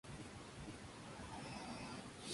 Las dos componentes de Psi Centauri son muy diferentes.